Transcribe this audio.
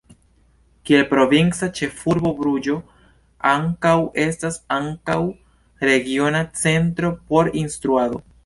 Kiel provinca ĉefurbo Bruĝo ankaŭ estas ankaŭ regiona centro por instruado.